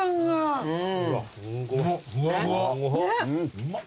うまっ。